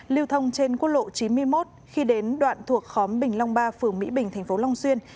lưu thông trên quốc lộ chín mươi một khi đến đoạn thuộc khóm bình long ba phường mỹ bình tp long xuyên